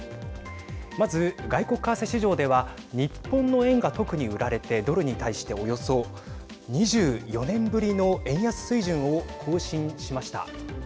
まず、外国為替市場では日本の円が特に売られてドルに対しておよそ２４年ぶりの円安水準を更新しました。